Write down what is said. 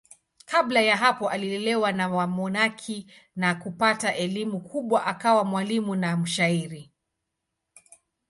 Kabla ya hapo alilelewa na wamonaki na kupata elimu kubwa akawa mwalimu na mshairi.